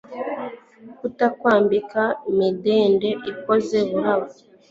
tuzakwambika imidende ikoze burabo